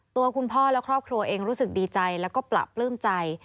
ตัวคุณพ่อและครอบครัวเองรู้สึกดีใจแล้วก็ประปลื้มใจ